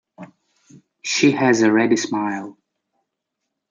She has a ready smile.